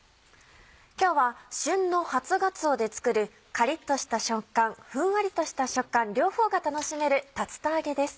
今日は旬の初がつおで作るカリっとした食感ふんわりとした食感両方が楽しめる竜田揚げです。